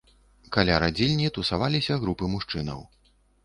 Каля радзільні тусаваліся групы мужчынаў.